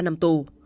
ba năm tù